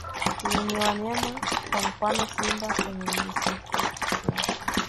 yenye wanyama kwa mfano simba kwenye misitu ya